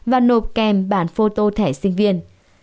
và nộp kèm bản phô tô thẻ sinh viên